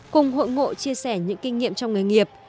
cùng hội ngộ chia sẻ những kinh nghiệm trong nghề nghiệp